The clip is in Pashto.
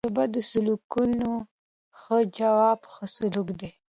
د بدو سلوکو ښه جواب؛ ښه سلوک دئ.